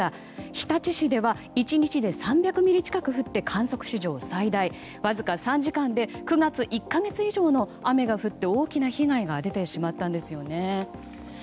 日立市では１日で３００ミリ近く降って観測史上最大わずか３時間で９月１か月以上の雨が降って大きな被害が出てしまったんですよね。